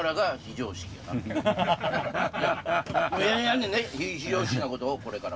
やんねんで非常識なことをこれから。